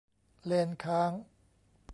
เลนส์ค้าง